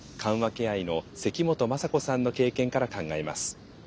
ケア医の関本雅子さんの経験から考えます。